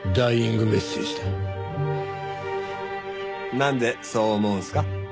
なんでそう思うんすか？